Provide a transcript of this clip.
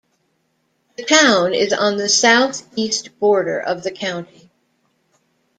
The town is on the southeast border of the county.